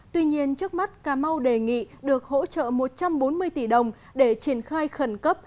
tuy nhiên trước mắt cà mau đề nghị được hỗ trợ một trăm bốn mươi tỷ đồng để triển khai khẩn cấp